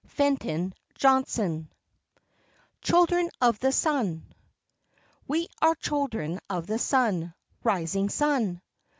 Fenton Johnson CHILDREN OF THE SUN We are children of the sun, Rising sun!